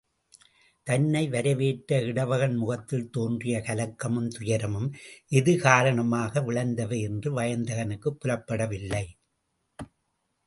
தன்னை வரவேற்ற இடவகன் முகத்தில் தோன்றிய கலக்கமும் துயரமும், எது காரணமாக விளைந்தவை என்று வயந்தகனுக்குப் புலப்பட வில்லை.